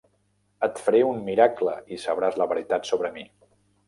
Et faré un miracle i sabràs la veritat sobre mi.